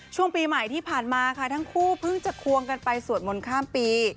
ช่วงปีใหม่ที่ผ่านมาค่ะทั้งคู่เพิ่งจะควงกันไปสวดมนต์ข้ามปี